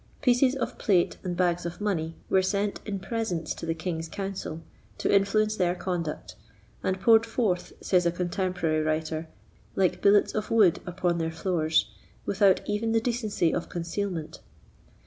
Pieces of plate and bags of money were sent in presents to the king's counsel, to influence their conduct, and poured forth, says a contemporary writer, like billets of wood upon their floors, without even the decency of concealment.